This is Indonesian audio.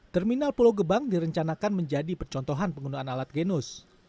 terminal pulau gebang direncanakan menjadi percontohan penggunaan alat genus